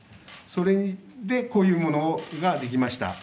それでこういうものができました。